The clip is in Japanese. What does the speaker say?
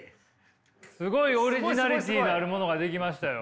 すごいオリジナリティーのあるものが出来ましたよ。